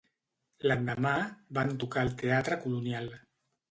L'endemà, van tocar al Teatre Colonial.